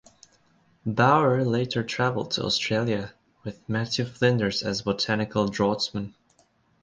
Bauer later travelled to Australia with Matthew Flinders as botanical draughtsman.